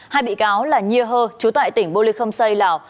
hai bị cáo là nhi hơ chú tại tỉnh bô lê khâm xây lào